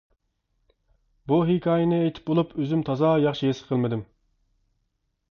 بۇ ھېكايىنى ئېيتىپ بولۇپ ئۆزۈم تازا ياخشى ھېس قىلمىدىم.